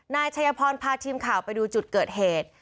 นายชัยพรพาทีมข่าวไปดูจุดเกิดเหตุ